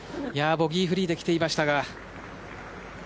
ボギーフリーできていましたが。